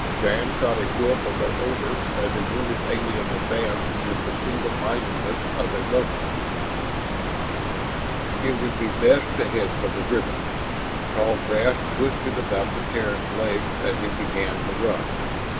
Shann caught a whiff of their odor as the wounded alien advanced with the single mindedness of a robot. It would be best to head for the river. Tall grass twisted about the Terran's legs as he began to run.